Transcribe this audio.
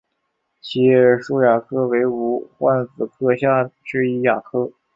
七叶树亚科为无患子科下之一亚科。